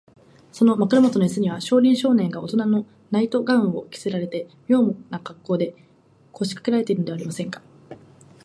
その枕もとのイスには、小林少年がおとなのナイト・ガウンを着せられて、みょうなかっこうで、こしかけているではありませんか。